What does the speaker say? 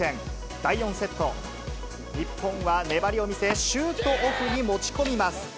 第４セット、日本は粘りを見せ、シュートオフに持ち込みます。